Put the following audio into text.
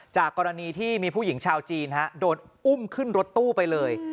กรณีที่มีผู้หญิงชาวจีนโดนอุ้มขึ้นรถตู้ไปเลย